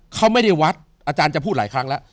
เขาไม่ได้วัดอาจารย์จะพูดหลายครั้งแล้ว